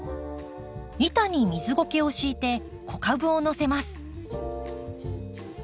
板に水ごけを敷いて子株をのせます。